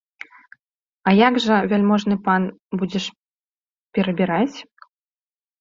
А як жа, вяльможны пан, будзеш перабіраць?